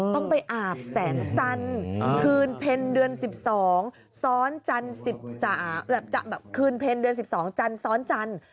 ต้องไปอาบแสงจันทร์คืนเพลินเดือน๑๒จันทร์ซ้อนจันทร์